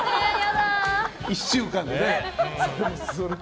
１週間でね。